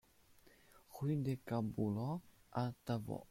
Rue des Caboulots à Tavaux